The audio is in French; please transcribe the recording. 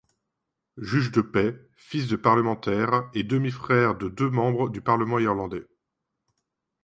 Juge de paix, fils de parlementaire et demi-frère de deux membres du parlement irlandais.